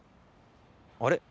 あれ？